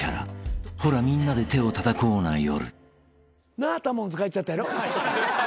なっタモンズ帰っちゃったやろ。